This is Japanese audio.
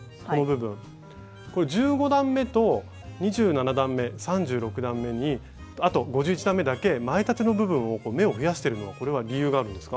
これ１５段めと２７段め３６段めにあと５１段めだけ前立ての部分を目を増やしてるのはこれは理由があるんですか？